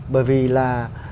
bởi vì là